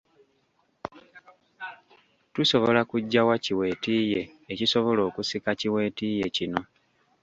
Tusobola kuggya wa ki weetiiye ekisobola okusika ki weetiiye kino?